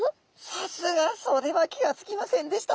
さすがそれは気が付きませんでした。